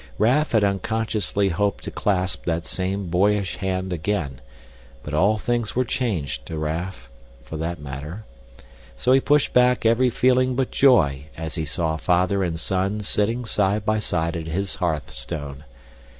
Raff had unconsciously hoped to clasp that same boyish hand again, but all things were changed to Raff, for that matter. So he pushed back every feeling but joy as he saw father and son sitting side by side at his hearthstone.